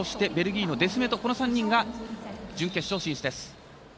ベルギーのデスメトこの３人が準決勝進出です。